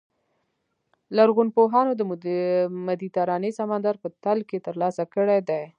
لرغونپوهانو د مدیترانې سمندر په تل کې ترلاسه کړي دي.